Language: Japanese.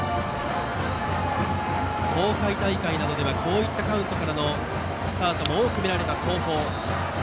東海大会などではこういったカウントからのスタートも多く見られた東邦。